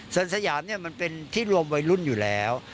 สันสยามเนี่ยมันเป็นที่รวมวัยรุ่นอยู่แล้ว